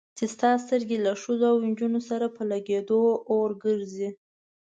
چې ستا سترګې له ښځو او نجونو سره په لګېدو اور ګرځي.